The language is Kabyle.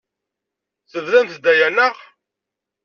Tebdamt-d aya, naɣ?